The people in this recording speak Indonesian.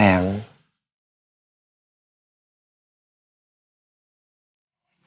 hamba akan menebus semua dosa dosa hamba